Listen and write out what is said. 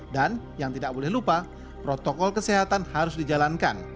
dan yang tidak boleh lupa protokol kesehatan harus dijalankan